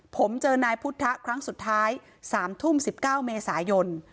ผมเจอนายพุทธะครั้งสุดท้าย๓ทุ่ม๑๙เมษายน